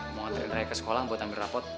mau nganterin raya ke sekolah buat ambil rapot